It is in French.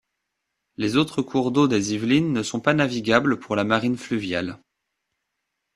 Les autres cours d'eau des Yvelines ne sont pas navigables pour la marine fluviale.